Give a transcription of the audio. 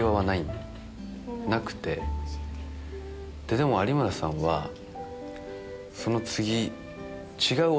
でも有村さんはその次。